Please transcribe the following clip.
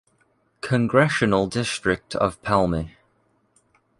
Congressional district of Palmi.